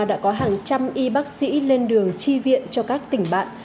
đã có hàng trăm y bác sĩ lên đường chi viện cho các tỉnh bạn